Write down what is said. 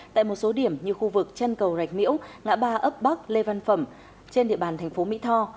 tại một số điểm như khu vực trân cầu rạch miễu ngã ba ấp bắc lê văn phẩm